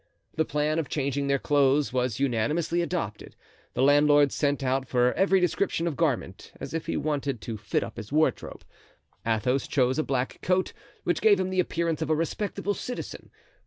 The plan of changing their clothes was unanimously adopted. The landlord sent out for every description of garment, as if he wanted to fit up his wardrobe. Athos chose a black coat, which gave him the appearance of a respectable citizen.